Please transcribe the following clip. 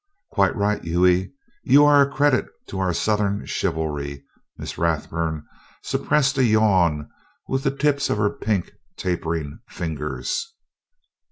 "Quite right, Hughie. You are a credit to our southern chivalry." Miss Rathburn suppressed a yawn with the tips of her pink tapering fingers.